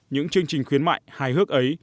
những chương trình khuyến mại hài hước ấy